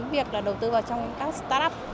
việc là đầu tư vào trong các startup